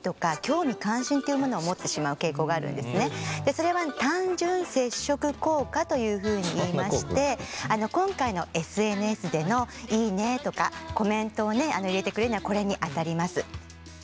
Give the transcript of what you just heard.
それは単純接触効果というふうに言いましてあの今回のＳＮＳでのいいねとかコメントをね入れてくれるのはこれにあたります。